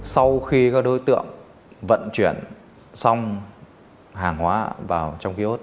sau khi các đối tượng vận chuyển xong hàng hóa vào trong ký ốt